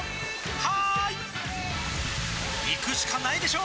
「はーい」いくしかないでしょ！